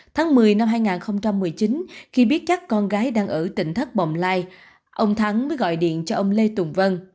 tháng một mươi năm hai nghìn một mươi chín khi biết chắc con gái đang ở tỉnh thất bồng lai ông thắng mới gọi điện cho ông lê tùng vân